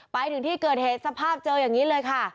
ไปถึงที่เกิดเหตุสภาพเจออย่างนี้เลยค่ะ